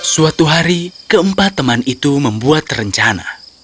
suatu hari keempat teman itu membuat rencana